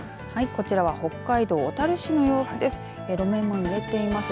こちらは北海道小樽市の様子です。